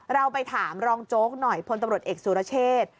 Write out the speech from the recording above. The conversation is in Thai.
เราไปถามรองโจ๊กหน่อยพตเอกสุรเชษฐ์